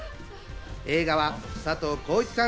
映画は佐藤浩市さん